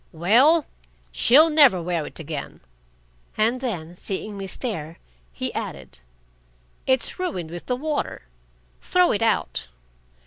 "Well, she'll never wear it again." And then, seeing me stare, he added: "It's ruined with the water. Throw it out.